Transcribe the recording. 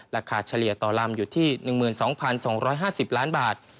เฉลี่ยต่อลำอยู่ที่๑๒๒๕๐ล้านบาท